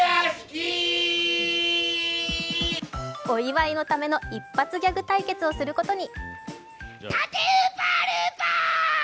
お祝いのための一発ギャグ対決をすることに。